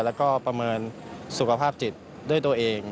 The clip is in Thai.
แล้วก็ประเมินสุขภาพจิตด้วยตัวเอง